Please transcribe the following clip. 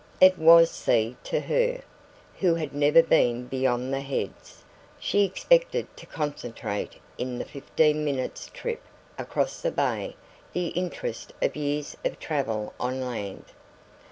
It was sea to her, who had never been beyond the Heads. She expected to concentrate in the fifteen minutes' trip across the bay the interest of years of travel on land.